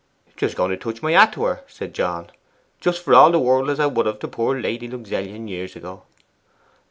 'Just going to touch my hat to her,' said John; 'just for all the world as I would have to poor Lady Luxellian years ago.